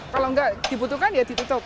kalau nggak dibutuhkan ya ditutup